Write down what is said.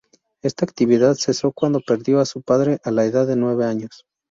Esta actividad cesó cuando perdió a su padre a la edad de nueve años.